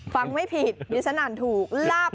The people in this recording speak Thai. พังไม่ผิดลิชนั่นถูก